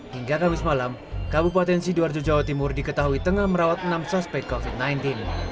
hingga kamis malam kabupaten sidoarjo jawa timur diketahui tengah merawat enam suspek covid sembilan belas